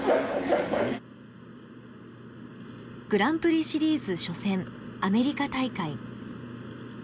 グランプリシリーズ初戦アメリカ大会。